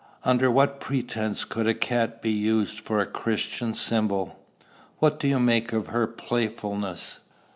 Under what pretence could a cat be used for a Christian symbol?" "What do you make of her playfulness?"